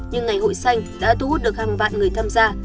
nhưng ngày hội xanh đã thu hút được hàng vạn người tham gia